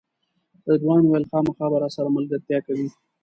رضوان وویل خامخا به راسره ملګرتیا کوئ.